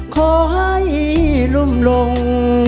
ขอให้รุ่มลง